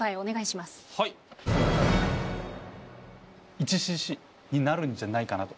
１ｃｃになるんじゃないかなと。